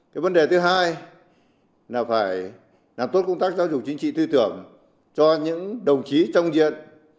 cái vấn đề thứ hai là phải làm tốt công tác giáo dục chính trị tư tưởng cho những đồng chí trong diện